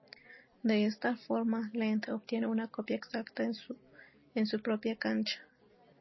De esta forma, Lendl obtiene una copia exacta en su propia cancha.